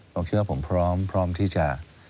ผมคิดว่าผมพร้อมที่จะ